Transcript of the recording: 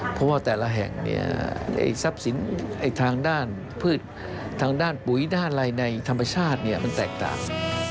เพราะว่าแต่ละแห่งทรัพย์สินทางด้านพืชทางด้านปุ๋ยด้านอะไรในธรรมชาติมันแตกต่าง